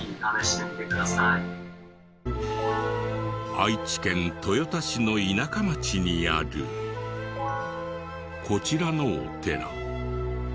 愛知県豊田市の田舎町にあるこちらのお寺。